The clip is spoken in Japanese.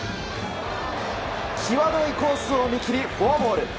きわどいコースを見切りフォアボール。